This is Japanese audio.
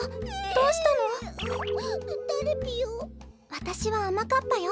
わたしはあまかっぱよ。